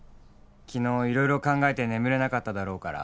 昨日色々考えて眠れなかっただろうから」